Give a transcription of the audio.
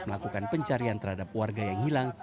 melakukan pencarian terhadap warga yang hilang